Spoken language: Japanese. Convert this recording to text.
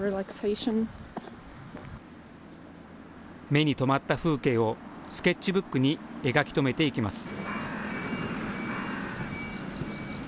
目に留まった風景をスケッチブックに描き留めていきます。